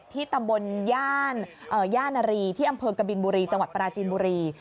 ที่ตำบลย่านารีที่อำเภอกบินบุรีจังหวัดปราจีนบุรี